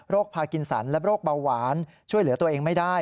พากินสันและโรคเบาหวานช่วยเหลือตัวเองไม่ได้